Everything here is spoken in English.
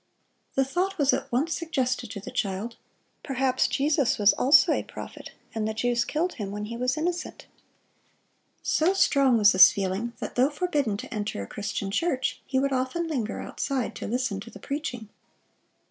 The thought was at once suggested to the child, "Perhaps Jesus was also a prophet, and the Jews killed Him when He was innocent."(593) So strong was this feeling, that though forbidden to enter a Christian church, he would often linger outside to listen to the preaching.